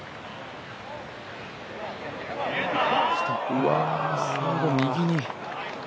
うわ、最後右に。